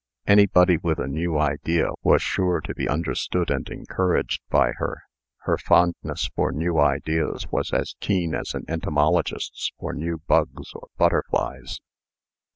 Anybody with a new idea was sure to be understood and encouraged by her. Her fondness for new ideas was as keen as an entomologist's for new bugs or butterflies.